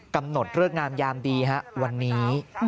กำหนดเลิกงามยามดีฮะวันนี้